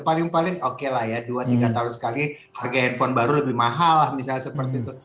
paling paling oke lah ya dua tiga tahun sekali harga handphone baru lebih mahal lah misalnya seperti itu